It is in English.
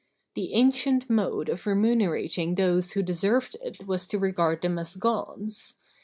The ancient mode of remunerating those who deserved it was to regard them as Gods.